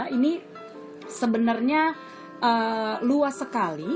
ini sebenarnya luas sekali